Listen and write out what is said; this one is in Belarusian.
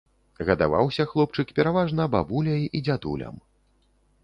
Гадаваўся хлопчык пераважна бабуляй і дзядулям.